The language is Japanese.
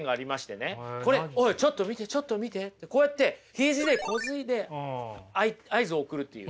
これ「おいちょっと見てちょっと見て」ってこうやってヒジでこづいて合図を送るっていう。